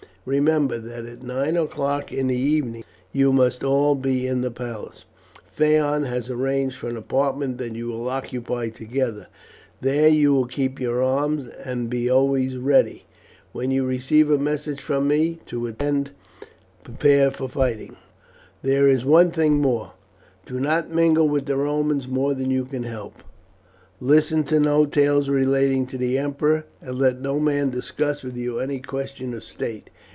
Remember that at nine o'clock in the evening you must all be in the palace. Phaon has arranged for an apartment that you will occupy together. There you will keep your arms, and be always ready, when you receive a message from me, to attend prepared for fighting. There is one thing more: do not mingle with the Romans more than you can help; listen to no tales relating to the emperor, and let no man discuss with you any question of state.